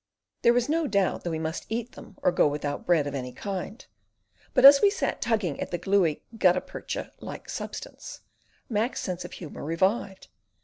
There was no doubt that we must eat them or go without bread of any kind; but as we sat tugging at the gluey guttapercha like substance, Mac's sense of humour revived.